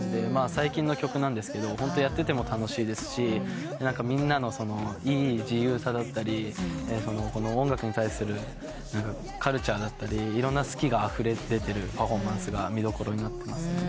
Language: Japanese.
最近の曲なんですけどホントやってても楽しいですしみんなのいい自由さだったり音楽に対するカルチャーだったりいろんな好きがあふれ出てるパフォーマンスが見どころになってます。